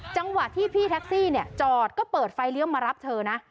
จังหวะที่พี่แท็กซี่จอดก็เปิดไฟเลี้ยวมารับเธอนะ